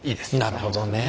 なるほどね。